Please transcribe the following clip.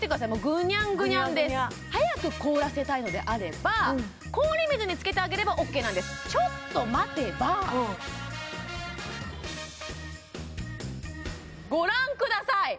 ぐにゃんぐにゃんです早く凍らせたいのであれば氷水につけてあげればオッケーなんですちょっと待てばご覧ください